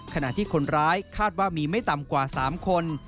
ขณะที่คนร้ายคาดว่ามีไม่ต่ำกว่า๓คน